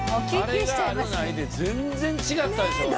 あれがあるないで全然違ったでしょうね。